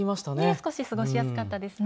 少し過ごしやすかったですね。